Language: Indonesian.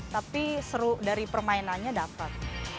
tapi seru dari permainannya dapat